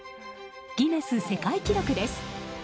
ギネス世界記録です！